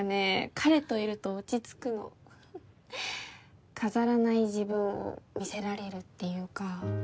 彼といると落ち着くの飾らない自分を見せられるっていうか